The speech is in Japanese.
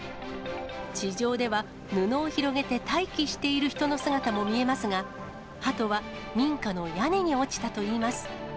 地上では、布を広げて待機している人の姿も見えますが、ハトは民家の屋根に落ちたといいます。